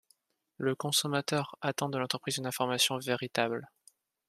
Le consommateur attend de l’entreprise une information véritable.